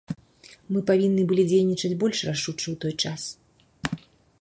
Мы павінны былі дзейнічаць больш рашуча ў той час.